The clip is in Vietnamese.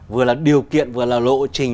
vừa là điều kiện vừa là lộ trình